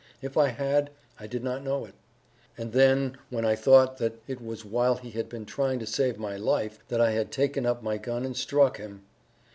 If I had, I did not know it. And then when I thought that it was while he had been trying to save my life that I had taken up my gun and struck him!